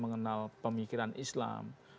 mengenal pemikiran islam